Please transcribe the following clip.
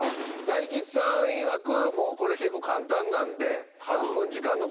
大吉さんいわくこれ結構簡単なんで。